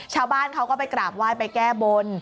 ชาวบ้านเขาก็ไปกราบไหว้ไปแก้บน